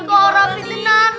kakak rapi tenang